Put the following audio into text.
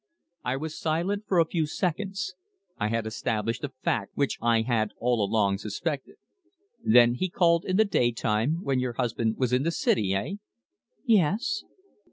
I was silent for a few seconds. I had established a fact which I had all along suspected. "Then he called in the daytime, when your husband was in the City eh?" "Yes."